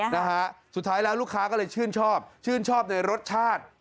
นะฮะสุดท้ายแล้วลูกค้าก็เลยชื่นชอบชื่นชอบในรสชาติ